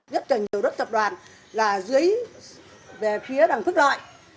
rất nhiều đất tập đoàn là dưới về phía đằng phước lợi